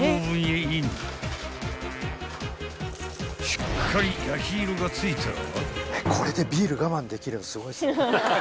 ［しっかり焼き色がついたら］